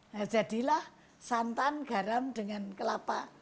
nah jadilah santan garam dengan kelapa